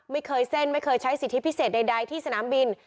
ไม่เคยเส้นไม่เคยใช้สิทธิพิเศษใดที่สนามบิน